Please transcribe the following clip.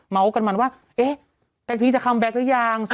เมาถ์กันมาว่าแบ็คพิ้งจะคัมแบ็กซ์หรือยัง